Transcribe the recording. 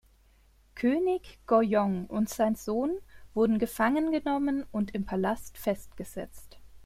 König Gojong und sein Sohn wurden gefangen genommen und im Palast festgesetzt.